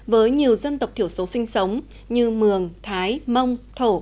với nhiều dân tộc thiểu số sinh sống như mường thái mông thổ